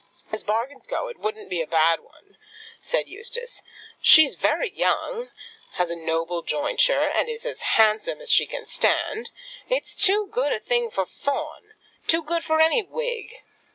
"As bargains go, it wouldn't be a bad one," said Eustace. "She's very young, has a noble jointure, and is as handsome as she can stand. It's too good a thing for Fawn; too good for any Whig."